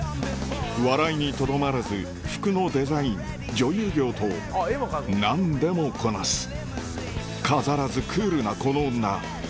笑いにとどまらず服のデザイン女優業と何でもこなす飾らずクールなこの女